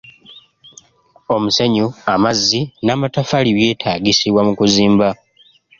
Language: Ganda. Omusenyu, amazzi n'amataffaali byetaagisibwa mu kuzimba.